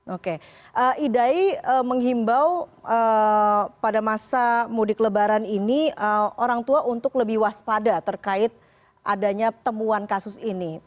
oke idai menghimbau pada masa mudik lebaran ini orang tua untuk lebih waspada terkait adanya temuan kasus ini